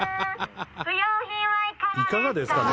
「いかがですか」